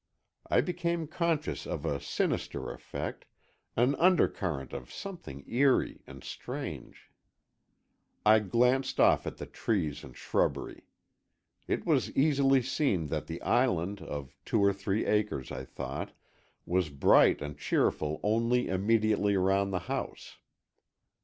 I became conscious of a sinister effect, an undercurrent of something eerie and strange. I glanced off at the trees and shrubbery. It was easily seen that the Island, of two or three acres, I thought, was bright and cheerful only immediately around the house.